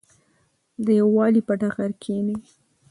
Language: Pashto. د یووالي په ټغر کېنئ.